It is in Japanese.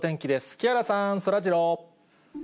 木原さん、そらジロー。